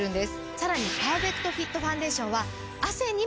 さらにパーフェクトフィットファンデーションは。